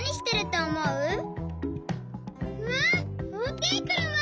うわおおきいくるま！